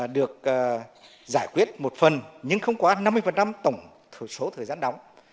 được giải quyết một phần nhưng không quá năm mươi tổng số thời gian đóng